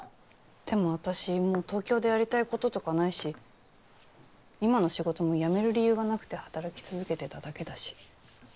でも私もう東京でやりたいこととかないし今の仕事も辞める理由がなくて働き続けてただけだし。